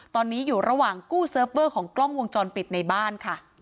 ตอนนี้อยู่ระหว่างกู้เซิร์ฟเวอร์ของกล้องวงจรปิดในบ้านค่ะ